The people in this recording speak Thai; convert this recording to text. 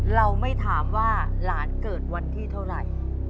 เราไม่ถามว่าหลานเกิดวันที่เท่าไหร่